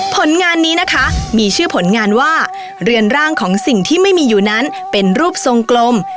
ผลงานนี้นะคะมีชื่อผลงานว่าเรือนร่างของสิ่งที่ไม่มีอยู่นั้นเป็นรูปทรงกลม